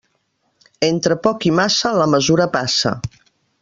Entre poc i massa, la mesura passa.